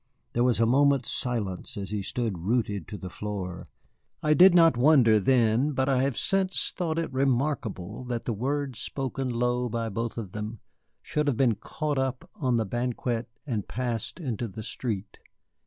There was a moment's silence as he stood rooted to the floor. I did not wonder then, but I have since thought it remarkable that the words spoken low by both of them should have been caught up on the banquette and passed into the street.